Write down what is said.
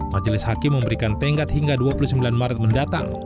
majelis hakim memberikan tenggat hingga dua puluh sembilan maret mendatang